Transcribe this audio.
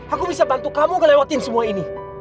aku bisa bantu kamu ngelewatin semua ini